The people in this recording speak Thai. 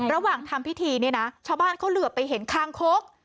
ระหว่างทำพิธีเนี่ยนะชาวบ้านเขาเหลือไปเห็นคางคก